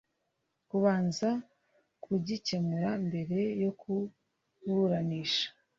Kubanza kugikemura mbere yo kuburanisha